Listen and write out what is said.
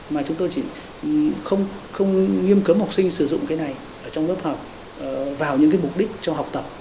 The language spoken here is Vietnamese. mà chúng tôi chỉ không nghiêm cấm học sinh sử dụng cái này trong lớp học vào những cái mục đích trong học tập